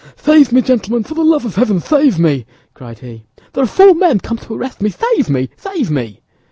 "Save me, gentlemen, for the love of heaven, save me!" cried he. "There are four men come to arrest me. Save me! Save me!"